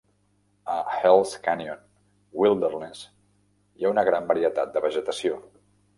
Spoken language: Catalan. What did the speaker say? A Hells Canyon Wilderness hi ha una gran varietat de vegetació.